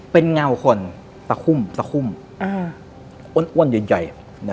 เป็นเงาคนสะคุ่มอ้วนใหญ่